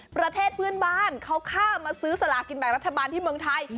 ประเทศเพื่อนบ้านเขาข้ามมาซื้อสลากินแบ่งรัฐบาลที่เมืองไทย